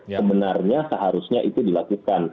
sebenarnya seharusnya itu dilakukan